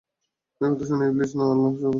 একথা শুনে ইবলীস বলে না, আল্লাহর শপথ!